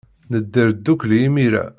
Nedder ddukkli imir-a.